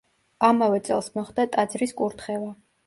ამავე წელს მოხდა ტაძრის კურთხევა.